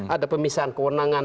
ada pemisahan kewenangan